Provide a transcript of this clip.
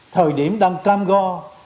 thời điểm đang cam go